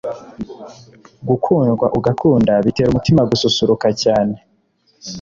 Gukundwa ugakunda bitera umutima gususuruka cyane